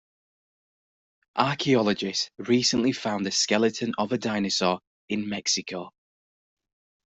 Archaeologists recently found the skeleton of a dinosaur in Mexico.